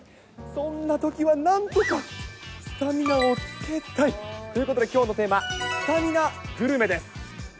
そんなときはなんとかスタミナをつけたい。ということで、きょうのテーマ、スタミナグルメです。